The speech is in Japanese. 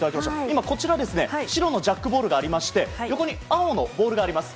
今、こちら白のジャックボールがありまして横に青のボールがあります。